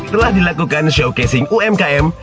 telah dilakukan showcasing umkm